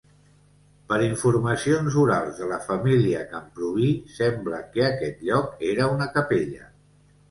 Per informacions orals de la família Camprubí, sembla que aquest lloc era una capella.